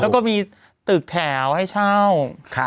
แล้วก็มีตึกแถวให้เช่า